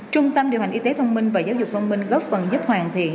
trung tâm điều hành y tế thông minh và giáo dục thông minh góp phần giúp hoàn thiện